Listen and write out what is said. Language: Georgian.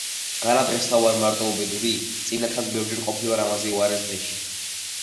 განა დღესა ვარ მარტო უბედური? წინათაც ბევრჯერ ვყოფილვარ ამაზე უარეს დღეში.